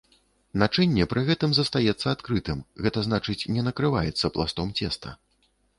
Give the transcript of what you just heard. Начынне пры гэтым застаецца адкрытым, гэта значыць не накрываецца пластом цеста.